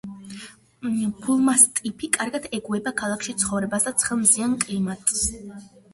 ბულმასტიფი კარგად ეგუება ქალაქში ცხოვრებას და ცხელ, მზიან კლიმატს.